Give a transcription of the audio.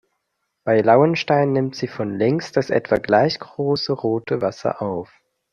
Bei Lauenstein nimmt sie von links das etwa gleich große Rote Wasser auf.